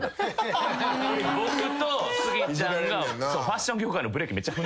僕とスギちゃんがファッション業界のブレーキめっちゃ踏んでる。